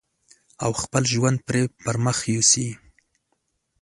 او خپل ژوند پرې پرمخ يوسي.